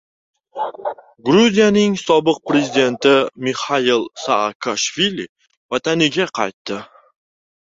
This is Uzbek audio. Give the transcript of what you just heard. Gruziyaning sobiq prezidenti Mixail Saakashvili vataniga qaytdi